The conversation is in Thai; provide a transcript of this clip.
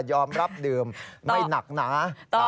อมรับดื่มไม่หนักหนา